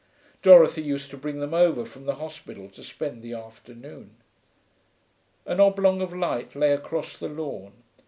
Dorothy used to bring them over from the hospital to spend the afternoon. An oblong of light lay across the lawn.